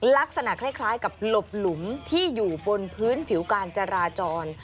ลักษณะคล้ายกับหลบหลุมที่อยู่บนพื้นผิวการจราจร